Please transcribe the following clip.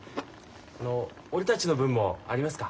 あの俺たちの分もありますか？